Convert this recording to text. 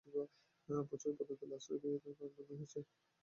প্রভুর পদতলে আশ্রয় পেয়ে আমরা ধন্য হয়েছি।